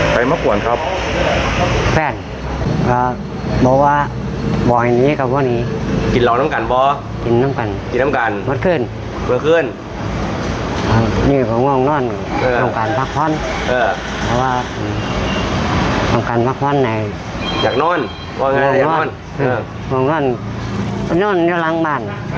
เพราะมันน่ำมากว่าน่ะ